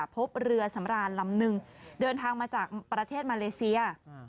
พบเรือสำรานลำนึงเดินทางมาจากประเทศมาเลเซีย